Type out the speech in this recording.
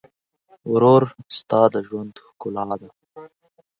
ورور ستا د ژوند ښکلا ده.